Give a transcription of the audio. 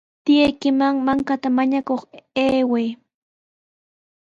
Tiyaykiman mankata mañakuq ayway.